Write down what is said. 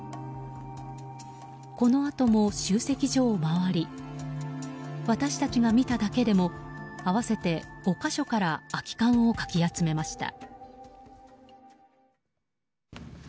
このあとも、集積所を回り私たちが見ただけでも合わせて５か所から空き缶をかき集めました。